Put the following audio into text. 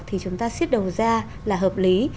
thì chúng ta xiết đầu ra là hợp lý